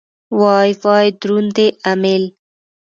وای وای دروند دی امېل.